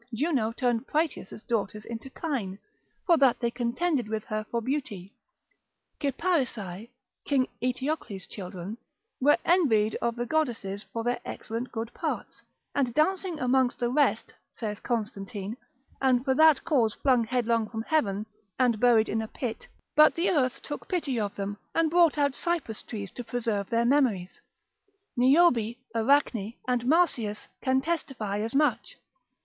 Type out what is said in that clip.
Juno turned Praetus' daughters into kine, for that they contended with her for beauty; Cyparissae, king Eteocles' children, were envied of the goddesses for their excellent good parts, and dancing amongst the rest, saith Constantine, and for that cause flung headlong from heaven, and buried in a pit, but the earth took pity of them, and brought out cypress trees to preserve their memories. Niobe, Arachne, and Marsyas, can testify as much.